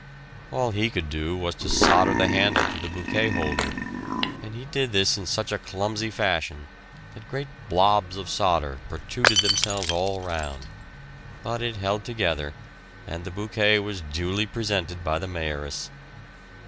All he could do was to solder the handle to the bouquet holder, and he did this in such a clumsy fashion that great "blobs" of solder protruded themselves all round; but it held together and the bouquet was duly presented by the Mayoress.